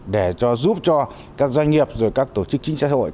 để giúp cho các doanh nghiệp các tổ chức chính trách xã hội